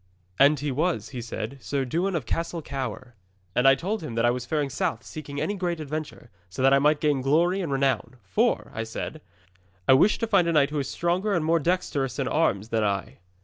And he was, he said, Sir Dewin of Castle Cower. And I told him that I was faring south seeking any great adventure, so that I might gain glory and renown. "For," I said, "I wish to find a knight who is stronger and more dexterous in arms than I."